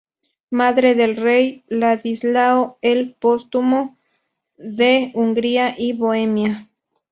Madre del rey Ladislao el Póstumo de Hungría y Bohemia.